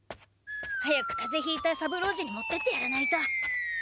早くかぜひいた三郎次に持ってってやらないと。